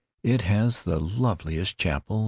It has the loveliest chapel.